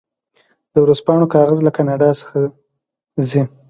د ورځپاڼو کاغذ له کاناډا څخه ځي.